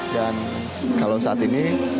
dan kalau saat ini